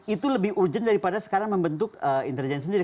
itu lebih urgent daripada sekarang membentuk intelijen sendiri